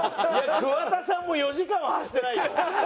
桑田さんも４時間は走ってないよ。